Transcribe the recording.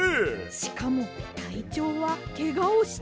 しかもたいちょうはけがをしているのに。